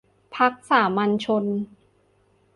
พรรคสามัญชน